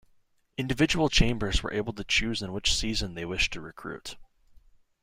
Individual chambers were able to choose in which season they wished to recruit.